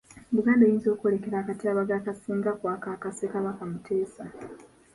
Buganda eyinza okwolekera akatyabaga akasinga ku ako aka Ssekabaka Muteesa.